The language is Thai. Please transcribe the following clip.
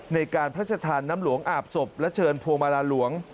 ในการพระชธานน้ำหลวงอาบศพและเชิญพวงมาลาหลวง